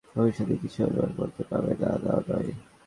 কিন্তু তাঁর মতো মহামানব ভবিষ্যতের কিছুই অনুমান করতে পারেন না, তাও নয়।